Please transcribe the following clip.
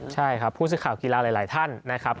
ใช่ครับผู้สื่อข่าวกีฬาหลายท่านนะครับ